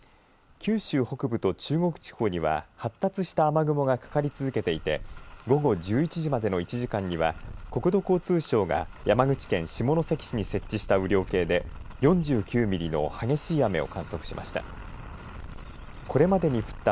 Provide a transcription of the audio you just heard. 九州北部と中国地方には発達した雨雲がかかり続けていて午後１１時までの１時間には国土交通省が山口県下関市に設置した雨量計で４９ミリの激しい雨を観測しました。